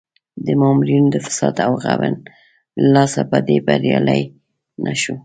د مامورینو د فساد او غبن له لاسه په دې بریالی نه شو.